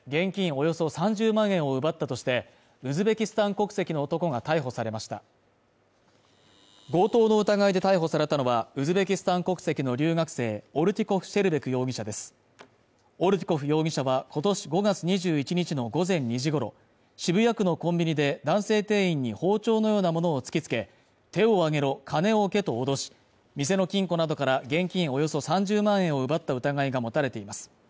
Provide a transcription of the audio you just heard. およそ３０万円を奪ったとしてウズベキスタン国籍の男が逮捕されました強盗の疑いで逮捕されたのはウズベキスタン国籍の留学生オルティコフ・シェルベク容疑者ですオルティコフ容疑者は今年５月２１日の午前２時ごろ渋谷区のコンビニで男性店員に包丁のようなものを突きつけ手を上げろ金を置けと脅し店の金庫などから現金およそ３０万円を奪った疑いが持たれています